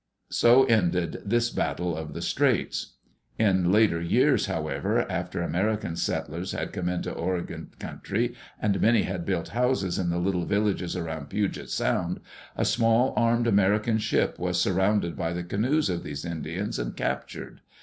So ended this battle of the Straits. In later years, however, after American settlers had come into the Oregon country, and many had built houses in the little villages around Puget Sound, a small armed American ship was surrounded by the canoes of these Indians and captured.